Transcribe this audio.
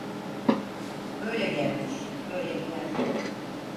Böyle gelmiş böyle gider.